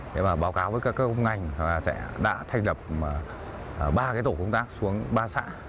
để báo cáo với các ngành sẽ đã thành lập ba tổ công tác xuống ba xã